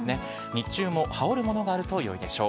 日中も羽織るものがあるとよいでしょう。